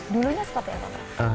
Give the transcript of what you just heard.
dulunya seperti apa pak